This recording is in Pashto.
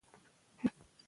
میندې زده کړه لري.